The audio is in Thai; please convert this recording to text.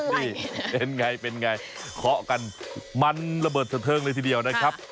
นี่เป็นไงเป็นไงเคาะกันมันระเบิดสะเทิงเลยทีเดียวนะครับ